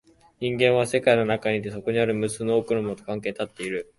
人間は世界の中にいて、そこにある他の無数の多くのものと関係に立っている。